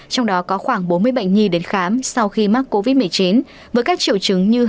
trong đó có khoảng bốn mươi bệnh nhi đến khám sau khi mắc covid một mươi chín